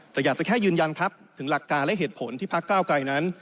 แต่อยากจะแค่ยืนยันครับถึงหลักการและเหตุผลที่พักเก้าไกรนั้น